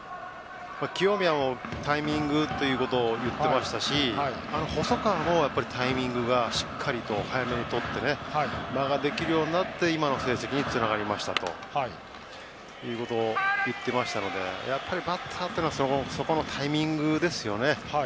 清宮もタイミングということを言っていましたし細川もタイミングがしっかりと早めにとって間ができるようになって今の成績につながりましたということを言っていましたのでやっぱりバッターというのはそこのタイミングですね。